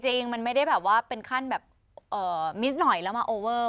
จริงมันไม่ได้เป็นขั้นเมียดหน่อยมาโอเวอร์